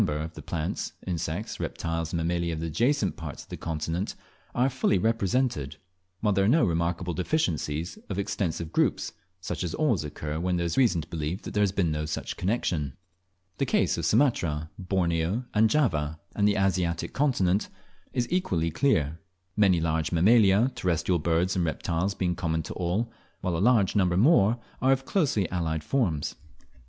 Contrast this with the British Islands, in, which a large proportion of the plants, insects, reptiles, and Mammalia of the adjacent parts of the continent are fully represented, while there are no remarkable deficiencies of extensive groups, such as always occur when there is reason to believe there has been no such connexion. The case of Sumatra, Borneo, and Java, and the Asiatic continent is equally clear; many large Mammalia, terrestrial birds, and reptiles being common to all, while a large number more are of closely allied forms.